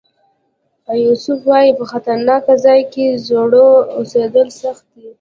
ایسوپ وایي په خطرناک ځای کې زړور اوسېدل سخت دي.